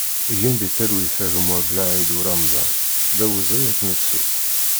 Gen di talwit a gma Blaïd Uremḍan, d awezɣi ad k-nettu!